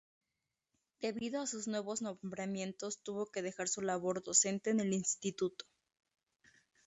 Debido a sus nuevos nombramientos tuvo que dejar su labor docente en el instituto.